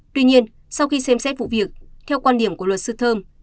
tuy nhiên sau khi xem xét vụ việc theo quan điểm của luật sư thơm